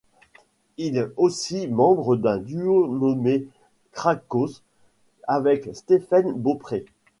Il aussi membre d'un duo nommé Crakhaus avec Stephen Beaupré.